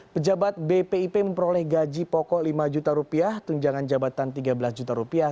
pejabat bpip memperoleh gaji pokok lima juta rupiah tunjangan jabatan tiga belas juta rupiah